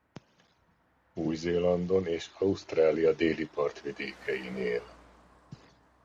Új-Zélandon és Ausztrália déli partvidékein él.